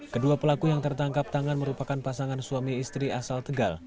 kedua pelaku yang tertangkap tangan merupakan pasangan suami istri asal tegal